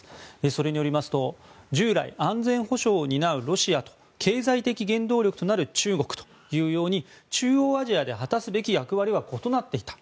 それによりますと従来、安全保障を担うロシアと経済的原動力となる中国というように中央アジアで果たすべき役割は異なっていた。